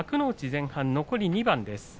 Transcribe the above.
前半残り２番です。